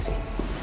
saya mau pergi